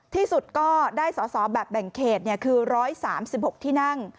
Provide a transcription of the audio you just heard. ที่สุดก็ได้สอสอแบบแบ่งเขตคือ๑๓๖ที่นั่ง